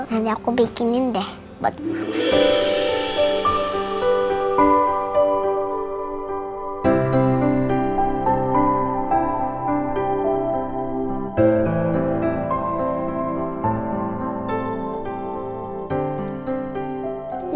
nanti aku bikinin deh buat mama